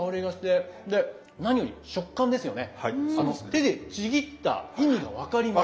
手でちぎった意味が分かります。